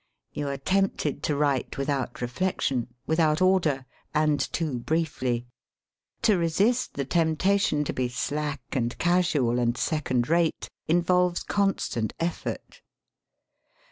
You are tempted to write without reflection, without order, and too briefly. To resist the temptation to be slack and casual and second rate involves con stant effort.